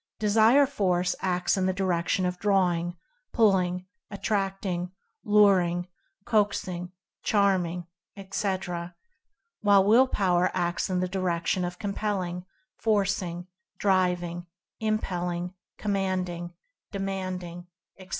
Desire Force acts in the direc tion of drawing, pulling, attracting, luring, coaxing, charming, etc.; while Will Power acts in the direc tion of compelling, forcing, driving, impelling, com manding, demanding, etc.